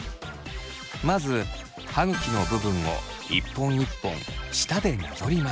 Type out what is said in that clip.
まず歯ぐきの部分を一本一本舌でなぞります。